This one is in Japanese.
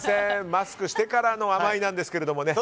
マスクしてからの甘ーいなんですけどね。